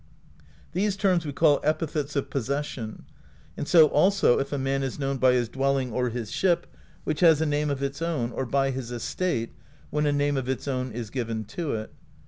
"These terms we call epithets of possession; and so also if a man is known by his dwelling or his ship, which has a name of its own, or by his estate, when a name of its own is given to it.